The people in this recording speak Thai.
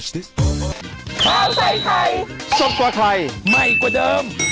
สวัสดีค่ะ